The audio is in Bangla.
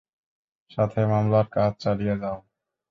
সাথে মামলার কাজ চালিয়ে যাও!